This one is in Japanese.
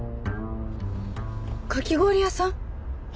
かき氷屋さん。は？